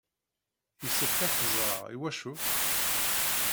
Yessefk ad t-ẓreɣ. I wacu?